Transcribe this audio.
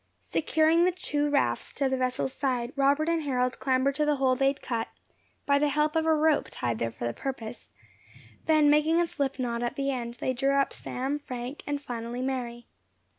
Securing the two rafts to the vessel's side, Robert and Harold clambered to the hole they had cut, by the help of a rope tied there for the purpose; then making a slipknot at the end, they drew up Sam, Frank, and finally, Mary.